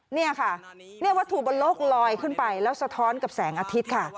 นี่ค่ะเนี่ยวัตถุบนโลกลอยขึ้นไปแล้วสะท้อนกับแสงอาทิตย์ค่ะ